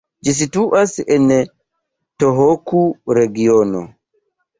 Ĝi situas en Tohoku-regiono.